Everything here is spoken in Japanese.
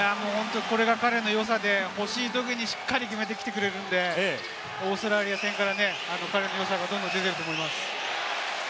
これが彼のよさで欲しいときにきっちり決めてくれるので、オーストラリア戦から彼の良さがどんどん出ていると思います。